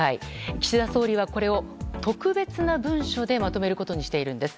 岸田総理はこれを特別な文書でまとめることにしているんです。